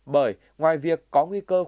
bởi ngoài việc có nguy cơ khủng hoảng